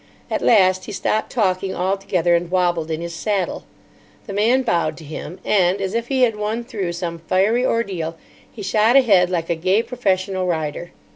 At last he stopped talking altogether, and wobbled in his saddle. The man bowed to him, and, as if he had won through some fiery ordeal, he shot ahead like a gay professional rider.